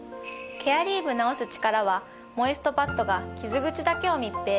「ケアリーヴ治す力」はモイストパッドがキズぐちだけを密閉。